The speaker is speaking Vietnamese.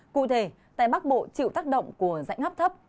cụ thể tại bắc bộ chịu tác động của dãy ngắp thấp